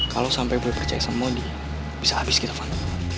kalau sampai boy percaya sama mondi bisa abis kita van